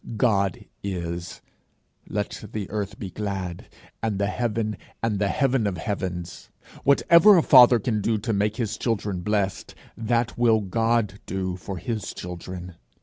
God is; let the earth be glad, and the heaven, and the heaven of heavens! Whatever a father can do to make his children blessed, that will God do for his children.